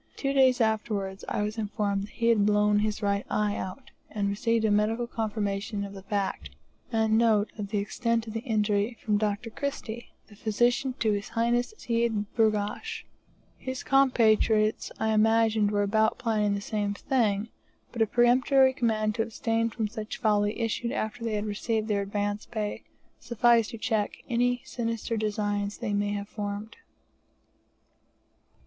Two days afterwards I was informed he had blown his right eye out, and received a medical confirmation of the fact, and note of the extent of the injury, from Dr. Christie, the physician to His Highness Seyd Burghash. His compatriots I imagined were about planning the same thing, but a peremptory command to abstain from such folly, issued after they had received their advance pay, sufficed to check any sinister designs they may have formed.